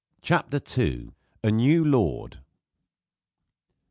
CHAPTER II. A NEW LORD.